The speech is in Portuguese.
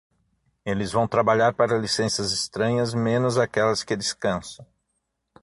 Eles vão trabalhar para licenças estranhas, menos aquelas que descansam.